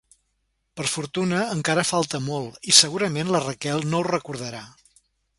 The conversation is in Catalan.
Per fortuna encara falta molt i segurament la Raquel no ho recordarà.